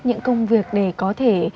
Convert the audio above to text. những công việc để có thể